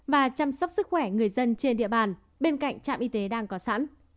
và chăm sóc sức khỏe người dân trên địa bàn bên cạnh trạm y tế đang có sẵn